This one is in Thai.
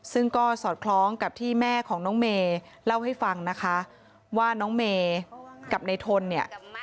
ซึ่งก็สอดคล้องกับที่แม่ของน้องเมย์เล่าให้ฟังนะคะว่าน้องเมย์กับในทนเนี่ย